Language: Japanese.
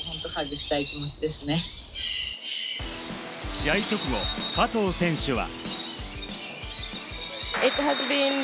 試合直後、加藤選手は。